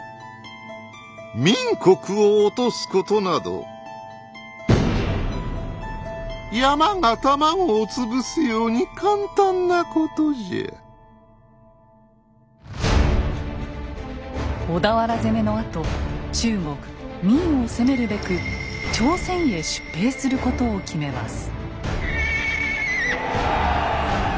明国をおとすことなど小田原攻めのあと中国明を攻めるべく朝鮮へ出兵することを決めます。